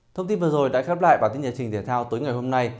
thông tin vừa rồi đã khép lại bản tin nhà trình thể thao tới ngày hôm nay